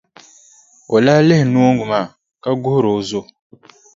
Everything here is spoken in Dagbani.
O lahi lihi noongu maa ka guhiri o zo.